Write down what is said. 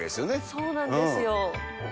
そうなんですよ。